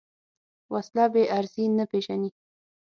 وسله بېغرضي نه پېژني